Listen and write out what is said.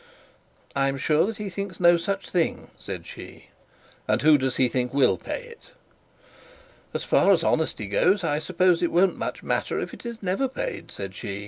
'I am sure he thinks no such thing,' said she. 'And who does he think will pay it?' 'As far as honesty goes, I suppose it won't much matter if it is never paid,' said she.